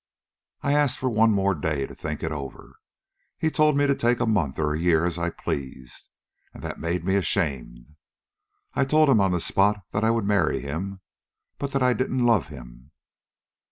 I asked for one more day to think it over. He told me to take a month or a year, as I pleased, and that made me ashamed. I told him on the spot that I would marry him, but that I didn't love him."